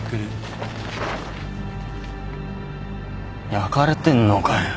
焼かれてんのかよ。